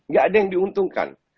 gak ada yang diuntungkan